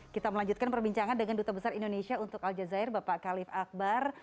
kita melanjutkan perbincangan dengan duta besar indonesia untuk al jazeera bapak khalif akbar